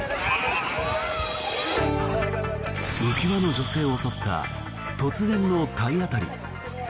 浮輪の女性を襲った突然の体当たり。